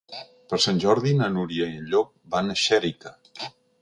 Per Sant Jordi na Núria i en Llop van a Xèrica.